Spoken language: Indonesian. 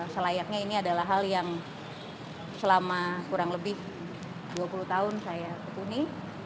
selayaknya ini adalah hal yang selama kurang lebih dua puluh tahun saya kekuni